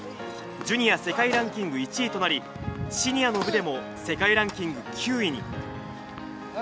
ジュニア世界ランキング１位となり、シニアの部でも世界ランキング９位に。